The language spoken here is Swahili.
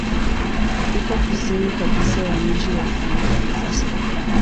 Iko kusini kabisa ya mji wa San Francisco.